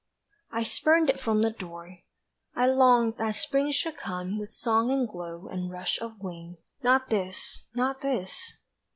I spurned it from the door. I longed that Spring Should come with song and glow And rush of wing, Not this, not this!